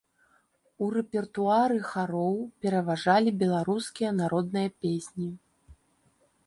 У рэпертуары хароў пераважалі беларускія народныя песні.